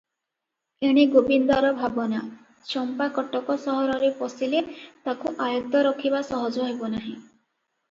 ଏଣେ ଗୋବିନ୍ଦାର ଭାବନା, ଚମ୍ପା କଟକ ସହରରେ ପଶିଲେ ତାକୁ ଆୟତ୍ତ ରଖିବା ସହଜ ହେବ ନାହିଁ ।